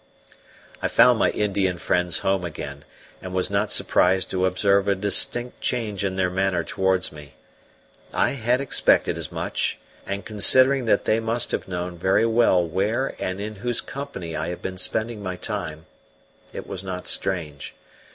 I found my Indian friends home again, and was not surprised to observe a distinct change in their manner towards me. I had expected as much; and considering that they must have known very well where and in whose company I had been spending my time, it was not strange.